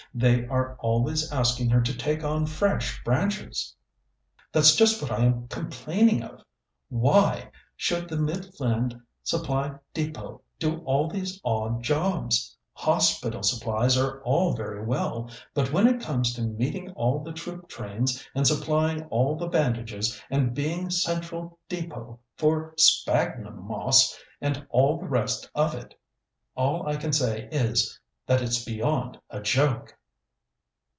They are always asking her to take on fresh branches." "That's just what I am complaining of. Why should the Midland Supply Depôt do all these odd jobs? Hospital supplies are all very well, but when it comes to meeting all the troop trains and supplying all the bandages, and being central Depôt for sphagnum moss, and all the rest of it all I can say is, that it's beyond a joke."